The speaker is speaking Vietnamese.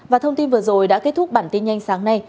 và thông tin vừa rồi đã kết thúc bản tin nhanh sáng nay